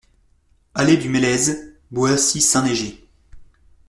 Allée du Mélèze, Boissy-Saint-Léger